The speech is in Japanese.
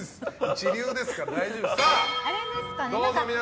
一流ですから大丈夫です。